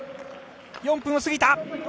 ４分を過ぎた！